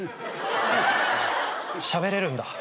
しゃべれるんだ。